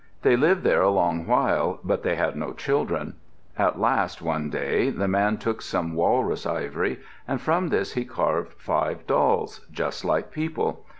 They lived there a long while, but they had no children. At last one day the man took some walrus ivory, and from this he carved five dolls, just like people.